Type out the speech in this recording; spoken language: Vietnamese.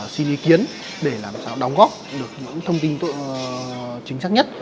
xin ý kiến để làm sao đóng góp được những thông tin chính xác nhất